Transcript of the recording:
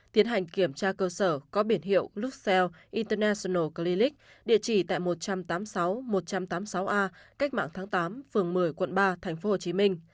tiến hành kiểm tra cơ sở có biển hiệu luxell international cleak địa chỉ tại một trăm tám mươi sáu một trăm tám mươi sáu a cách mạng tháng tám phường một mươi quận ba tp hcm